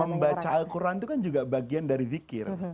membaca al quran itu kan juga bagian dari zikir